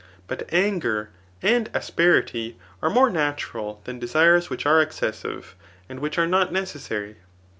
But anger and asperity are mo^e natural than desires which are excessive, and which are not necessary.